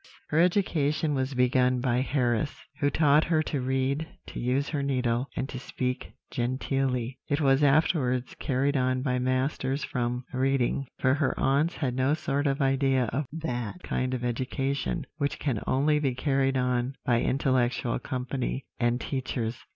"Her education was begun by Harris, who taught her to read, to use her needle, and to speak genteelly; it was afterwards carried on by masters from Reading, for her aunts had no sort of idea of that kind of education which can only be carried on by intellectual company and teachers.